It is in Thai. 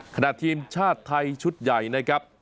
ขณะทีมชาติไทยชุดใหญ่นะครับ